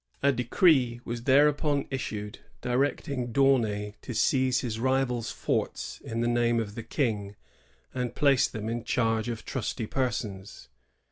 A decree was thereupon issued directing D'Aunay to seize his rival's forts in the name of the King, and place them in charge of trusty persons.